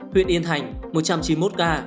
huyện yên thành một trăm chín mươi một ca